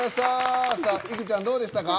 いくちゃん、どうでした？